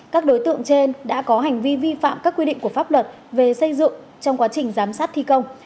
các đối tượng trên đã có hành vi vi phạm các quy định của pháp luật về xây dựng trong quá trình giám sát thi công